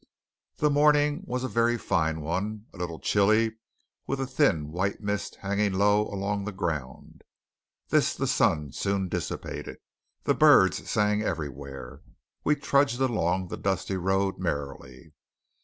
The morning was a very fine one; a little chilly, with a thin white mist hanging low along the ground. This the sun soon dissipated. The birds sang everywhere. We trudged along the dusty road merrily.